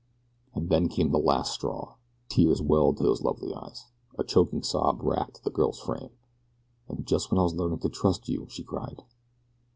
And then came the last straw tears welled to those lovely eyes. A choking sob wracked the girl's frame "And just when I was learning to trust you so!" she cried.